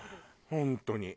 本当に。